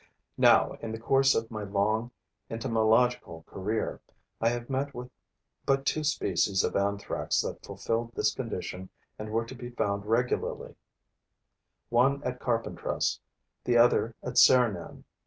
Now, in the course of my long entomological career, I have met with but two species of Anthrax that fulfilled this condition and were to be found regularly: one at Carpentras; the other at Serignan.